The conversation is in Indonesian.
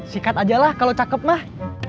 sikat aja lah kalau cakep mah